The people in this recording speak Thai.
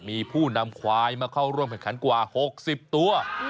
มีผู้นำควายมาเข้าร่วมแข่งขันกว่า๖๐ตัว